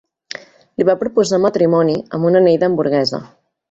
Li va proposar matrimoni amb un anell d'hamburguesa.